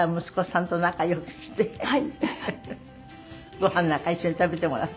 ごはんなんか一緒に食べてもらって。